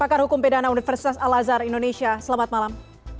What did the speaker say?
pakar hukum pidana universitas al azhar indonesia selamat malam